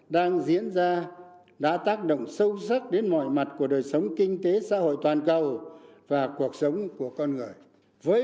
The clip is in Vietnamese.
đang diễn ra đã tác động sâu sắc đến mọi mặt của đời sống kinh tế xã hội toàn cầu và cuộc sống của con người